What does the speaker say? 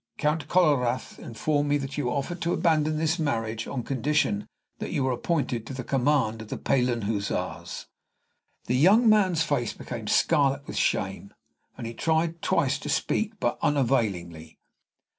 "Count Kollorath informed me that you offered to abandon this marriage on condition that you were appointed to the command of the Pahlen Hussars." The young man's face became scarlet with shame, and he tried twice to speak, but unavailingly.